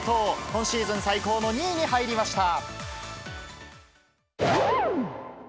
今シーズン最高の２位に入りました。